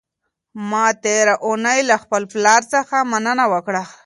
ما تېره اونۍ له خپل پلار څخه مننه وکړه.